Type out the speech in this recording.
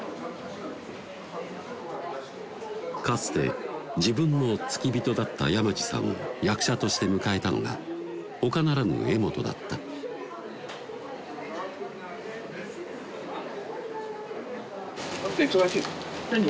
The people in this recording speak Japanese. かつて自分の付き人だった山地さんを役者として迎えたのがほかならぬ柄本だった何？